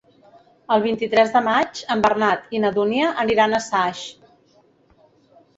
El vint-i-tres de maig en Bernat i na Dúnia aniran a Saix.